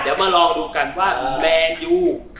เดี๋ยวมาลองดูกันว่าแมนยู